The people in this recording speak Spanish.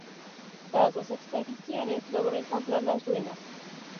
Tras dos expediciones, logró encontrar las ruinas.